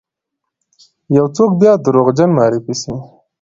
یو څوک بیا دروغجن معرفي سی،